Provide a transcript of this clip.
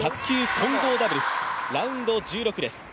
混合ダブルスラウンド１６です。